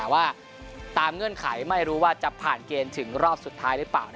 แต่ว่าตามเงื่อนไขไม่รู้ว่าจะผ่านเกณฑ์ถึงรอบสุดท้ายหรือเปล่า